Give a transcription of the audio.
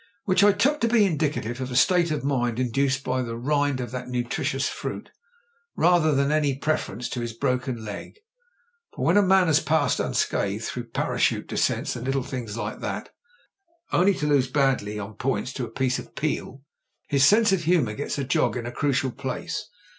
Which I took to be indicative of a state of mind in duced by the rind of that nutritious fruit, rather than any reference to his broken leg. For when a man has passed unscathed through parachute descents and little things like that, only to lose badly on points to a piece of peel, his sense of humour gets a jog in a crucial place.